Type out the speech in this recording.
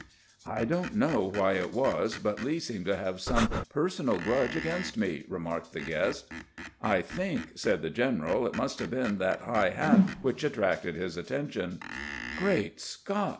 "" I don't know wby it was, but Lee seemed to bave some personal grudge against me," remarked tbe guest. "I tbink," said tbe general, "it must bave been tbat Mgb bat wMcb at tracted bis attention." " Grreat Scott